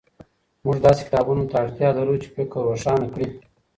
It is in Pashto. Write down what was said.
موږ داسې کتابونو ته اړتیا لرو چې فکر روښانه کړي.